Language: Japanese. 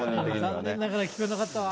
残念ながら、聞こえなかったわ。